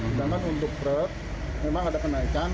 sedangkan untuk perut memang ada kenaikan